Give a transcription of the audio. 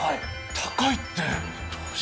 高いって！？